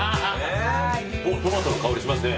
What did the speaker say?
トマトの香りしますね。